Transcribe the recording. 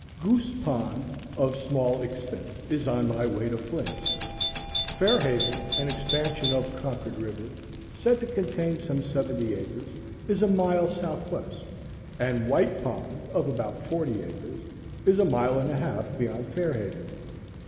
Goose Pond, of small extent, is on my way to Flint's; Fair Haven, an expansion of Concord River, said to contain some seventy acres, is a mile south west; and White Pond, of about forty acres, is a mile and a half beyond Fair Haven.